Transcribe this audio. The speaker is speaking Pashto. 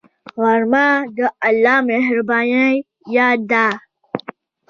غرمه د الله مهربانۍ یاد ده